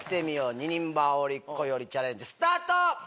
二人羽織こよりチャレンジスタート！